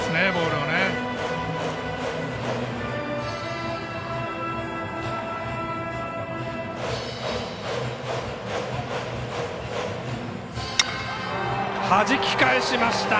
はじき返しました。